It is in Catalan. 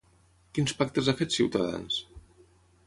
Quins pactes ha fet Ciutadans?